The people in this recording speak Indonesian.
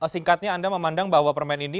singkatnya anda memandang bahwa permen ini